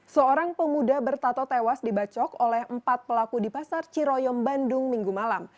seorang pemuda bertato tewas dibacok oleh empat pelaku di pasar ciroyom bandung minggu malam